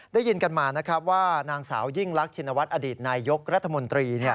ได้ยินกันมานะครับว่านางสาวยิ่งรักชินวัฒน์อดีตนายยกรัฐมนตรี